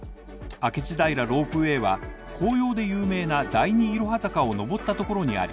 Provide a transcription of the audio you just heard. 明智平ロープウェイは紅葉で有名な第２いろは坂を上ったところにある。